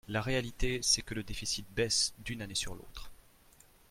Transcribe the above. La réalité, c’est que le déficit baisse d’une année sur l’autre.